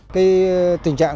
cái tình trạng